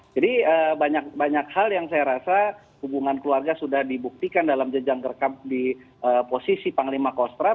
jadi banyak hal yang saya rasa hubungan keluarga sudah dibuktikan dalam jejak rekam di posisi panglima kostrat